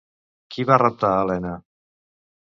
Qui va raptar Helena?